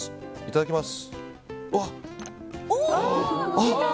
いただきます。